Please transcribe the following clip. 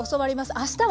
あしたは？